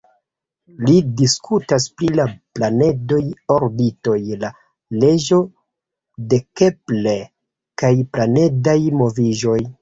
Li diskutas pri la planedaj orbitoj, la leĝo de Kepler kaj planedaj moviĝoj.